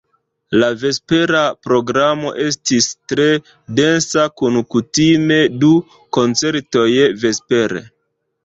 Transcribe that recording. La vespera programo estis tre densa kun kutime du koncertoj vespere.